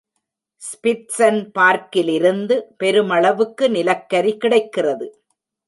ஸ்பிட்சன்பர்க்கிலிருந்து பெருமளவுக்கு நிலக்கரி கிடைக்கிறது.